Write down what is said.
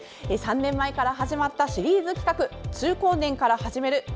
３年前から始まったシリーズ企画「中高年から始める！